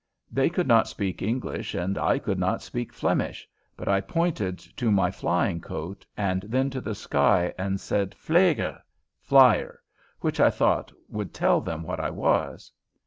They could not speak English and I could not speak Flemish, but I pointed to my flying coat and then to the sky and said "fleger" ("flier"), which I thought would tell them what I was.